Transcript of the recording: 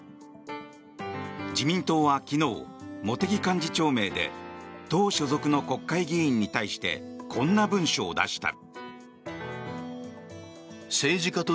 自民党は昨日、茂木幹事長名で党所属の国会議員に対してこんな文書を出した。